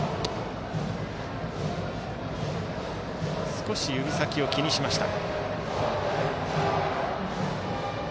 少し指先を気にしました。